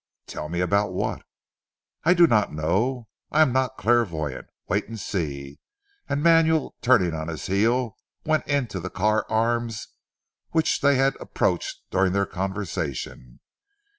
"Tell me about what?" "I do not know; I am not clairvoyant. Wait and see," and Manuel turning on his heel went into the Carr Arms which they had approached during their conversation.